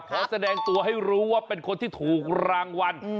แสดงตัวให้รู้ว่าเป็นคนที่ถูกรางวัล